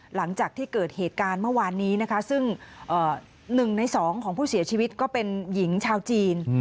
หลังจากที่เกิดเหตุการณ์เมื่อวานนี้นะคะซึ่ง๑ใน๒ของผู้เสียชีวิตก็เป็นหญิงชาวจีน